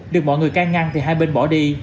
được mọi người can ngăn thì hai bên bỏ đi